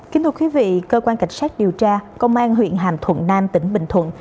kính thưa quý vị cơ quan cảnh sát điều tra công an huyện hàm thuận nam tỉnh bình thuận